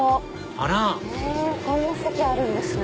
あらこんな席あるんですね。